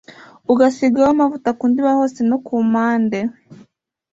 ugasigaho amavuta ku ndiba hose no ku mpande